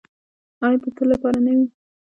آیا د تل لپاره نه وي؟